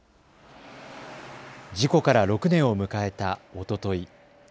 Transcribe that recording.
事故から６年を迎えたおととい。